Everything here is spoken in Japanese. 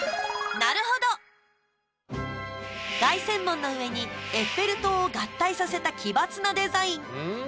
凱旋門の上にエッフェル塔を合体させた奇抜なデザイン。